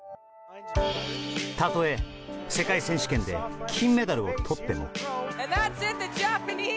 たとえ世界選手権で金メダルをとっても。